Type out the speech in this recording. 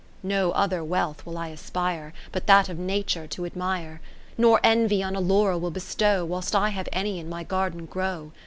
IV No other wealth will I aspire. But that of Nature to admire ; Nor envy on a laurel will bestow. Whilst I have any in my garden grow.